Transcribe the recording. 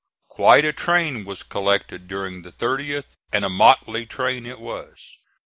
Quite a train was collected during the 30th, and a motley train it was.